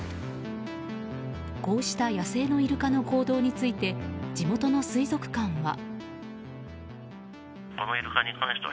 こうした野生のイルカの行動について地元の水族館は。